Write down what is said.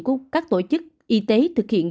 của các tổ chức y tế thực hiện